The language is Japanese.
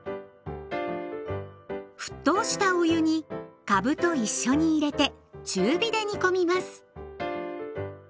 沸騰したお湯にかぶと一緒に入れて中火で煮込みます。